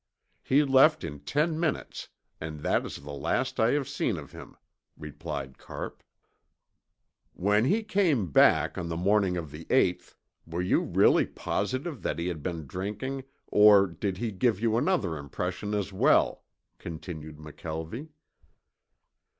He left in ten minutes and that is the last I have seen of him," replied Carpe. "When he came back the morning of the eighth, were you really positive that he had been drinking, or did he give you another impression as well?" continued McKelvie.